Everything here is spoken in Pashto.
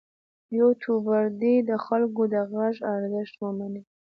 یوټوبر دې د خلکو د غږ ارزښت ومني.